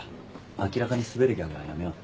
明らかにスベるギャグはやめよう。